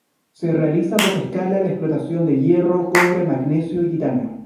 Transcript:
Se realiza a poca escala la explotación de hierro, cobre, magnesio y titanio.